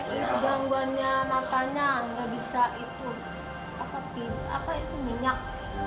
itu gangguannya matanya gak bisa itu apa itu minyak